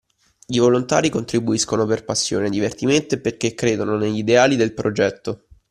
I volontari contribuiscono per passione, divertimento e perché credono negli ideali del progetto.